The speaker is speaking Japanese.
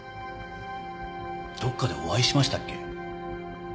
どっかでお会いしましたっけ？